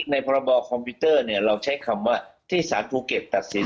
พรบคอมพิวเตอร์เนี่ยเราใช้คำว่าที่สารภูเก็ตตัดสิน